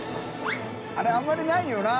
△あんまりないよな！